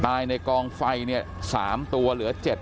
ตายในกองไฟเนี่ยสามตัวเหลือเจ็ด